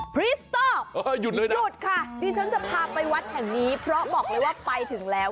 พรีสตอปหยุดค่ะที่ฉันจะพาไปวัดแห่งนี้พอบอกเลยว่าไปถึงแล้ว